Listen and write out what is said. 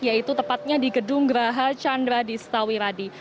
yaitu tepatnya di gedung graha chandra di setawiradi